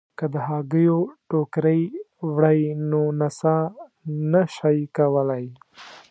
که د هګیو ټوکرۍ وړئ نو نڅا نه شئ کولای.